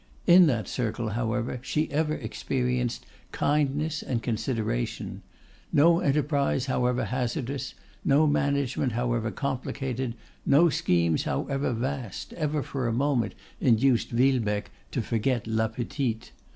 In that circle, however, she ever experienced kindness and consideration. No enterprise however hazardous, no management however complicated, no schemes however vast, ever for a moment induced Villebecque to forget 'La Petite.